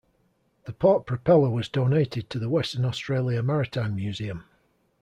The port propeller was donated to the Western Australia Maritime Museum.